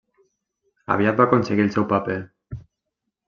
Aviat va aconseguir el seu paper.